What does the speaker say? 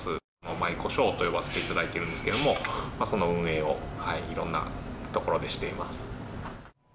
舞妓商と呼ばせていただいているんですがその運営を色んなところでしています。